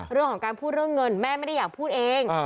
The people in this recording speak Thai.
เรื่องของการพูดเรื่องเงินแม่ไม่ได้อยากพูดเอง